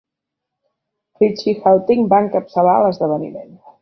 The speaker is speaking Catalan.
Richie Hawtin va encapçalar l'esdeveniment.